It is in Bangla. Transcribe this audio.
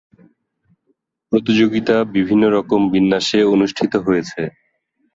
প্রতিযোগিতা বিভিন্ন রকম বিন্যাসে অনুষ্ঠিত হয়েছে।